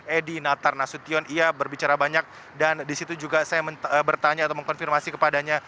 edi natar nasution ia berbicara banyak dan disitu juga saya bertanya atau mengkonfirmasi kepadanya